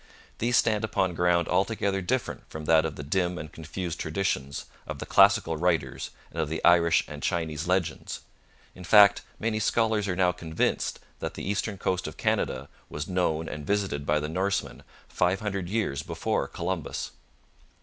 These stand upon ground altogether different from that of the dim and confused traditions of the classical writers and of the Irish and Chinese legends. In fact, many scholars are now convinced that the eastern coast of Canada was known and visited by the Norsemen five hundred years before Columbus.